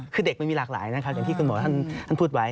คือเด็กมันมีหลากหลายนะครับอย่างที่คุณหมอท่านพูดไว้